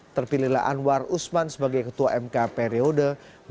terpilihlah anwar usman sebagai ketua mk periode dua ribu delapan belas dua ribu dua puluh